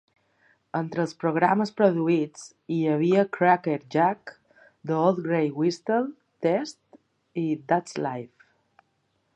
Entre els programes produïts hi havia "Crackerjack", "The Old Grey Whistle Test" i "That's Life!